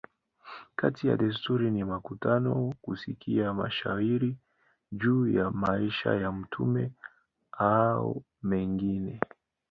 Kati ya desturi ni mikutano, kusikia mashairi juu ya maisha ya mtume a mengine.